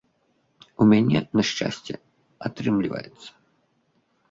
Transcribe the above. У мяне, на шчасце, атрымліваецца.